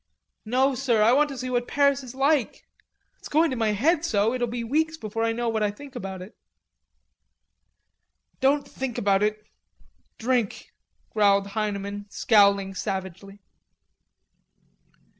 No, sir, I want to see what Paris is like.... It's going to my head so it'll be weeks before I know what I think about it." "Don't think about it.... Drink," growled Heineman, scowling savagely.